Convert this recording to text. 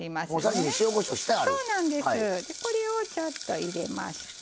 でこれをちょっと入れまして。